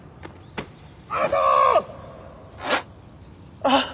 あっ！？